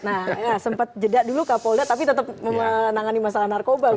nah sempat jeda dulu kak polda tapi tetap menangani masalah narkoba gitu ya